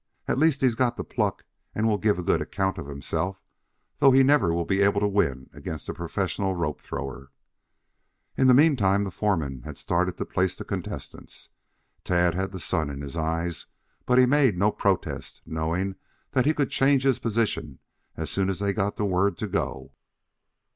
"At least he's got the pluck and will give a good account of himself, though he never will be able to win against a professional rope thrower." In the meanwhile, the foreman had started to place the contestants. Tad had the sun in his eyes, but he made no protest, knowing that he could change his position as soon as they got the word to go.